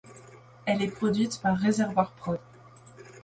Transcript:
Elle est produite par Réservoir Prod.